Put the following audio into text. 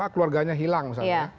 keluarganya hilang misalnya